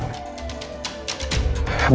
bangun susu goreng